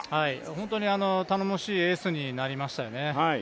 本当に頼もしいエースになりましたよね。